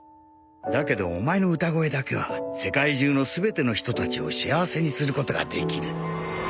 だけどお前の歌声だけは世界中の全ての人たちを幸せにすることができる。